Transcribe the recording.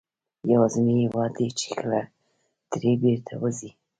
یوازینی هېواد دی چې کله ترې بېرته وځې.